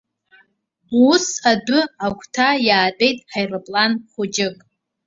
Ус, адәы агәҭа иаатәеит ҳаирплан хәыҷык.